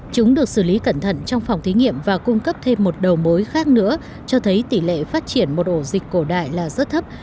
chúng được xử lý cẩn thận trong phòng thí nghiệm và cung cấp thêm một đầu mối khác nữa cho thấy tỷ lệ phát triển một ổ dịch cổ đại là rất thấp